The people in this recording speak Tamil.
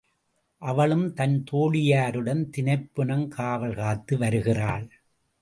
அவளும் தன் தோழியருடன் தினப்புனம் காவல் காத்து வருகிறாள்.